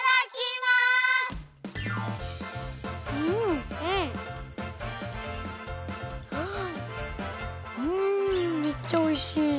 はうんめっちゃおいしい！